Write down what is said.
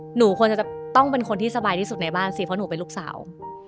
หนูควรจะต้องเป็นคนที่สบายที่สุดในบ้านสิเพราะหนูเป็นลูกสาว